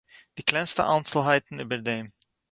די קלענסטע איינצלהייטן איבער דעם